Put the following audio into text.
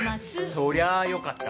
そりゃあよかった。